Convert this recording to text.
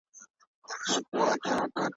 ایا ګلایکوجن د چټکې انرژۍ لپاره اړین دی؟